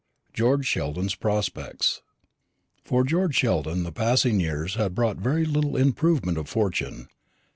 GEORGE SHELDON'S PROSPECTS. For George Sheldon the passing years had brought very little improvement of fortune.